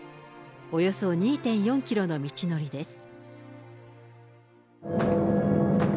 およそ２．４キロの道のりです。